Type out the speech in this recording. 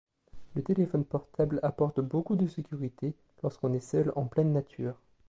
Le téléphone portable apporte beaucoup de sécurité lorsqu'on est seul en pleine nature.